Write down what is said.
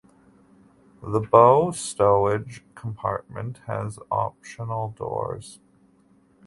The bow stowage compartment has optional doors.